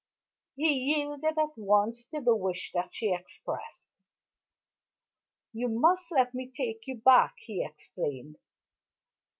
He yielded at once to the wish that she expressed. "You must let me take you back," he explained.